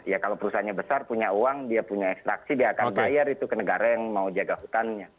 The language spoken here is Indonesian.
ya kalau perusahaannya besar punya uang dia punya ekstraksi dia akan bayar itu ke negara yang mau jaga hutannya